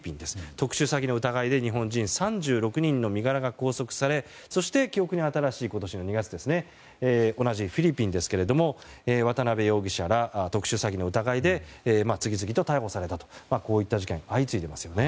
特殊詐欺の疑いで日本人３６人の身柄が拘束されそして記憶に新しい今年２月同じフィリピンですけれども渡辺容疑者ら特殊詐欺の疑いで次々と逮捕されたとこういった事件が相次いでいますね。